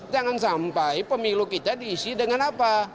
jangan sampai pemilu kita diisi dengan apa